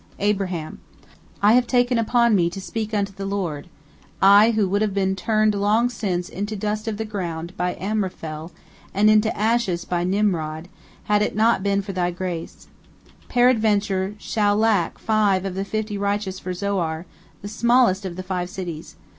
" Abraham: "I have taken upon me to speak unto the Lord, I who would have been turned long since into dust of the ground by Amraphel and into ashes by Nimrod, had it not been for Thy grace. Peradventure there shall lack five of the fifty righteous for Zoar, the smallest of the five cities.